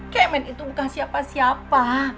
kemen itu bukan siapa siapa